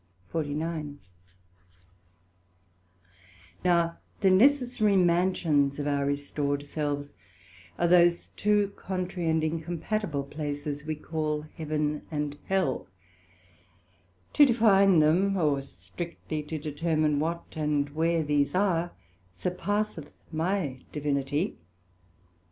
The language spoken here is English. SECT.49 Now, the necessary Mansions of our restored selves, are those two contrary and incompatible places we call Heaven and Hell; to define them, or strictly to determine what and where these are, surpasseth my Divinity.